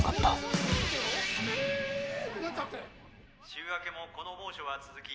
・週明けもこの猛暑は続き。